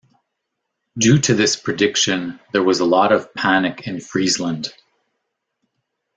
Due to this prediction there was a lot of panic in Friesland.